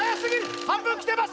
半分来てます！